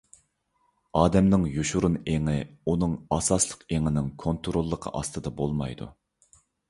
ئادەمنىڭ يوشۇرۇن ئېڭى ئۇنىڭ ئاساسلىق ئېڭىنىڭ كونتروللۇقى ئاستىدا بولمايدۇ.